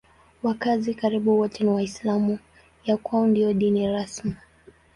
Wakazi karibu wote ni Waislamu; ya kwao ndiyo dini rasmi.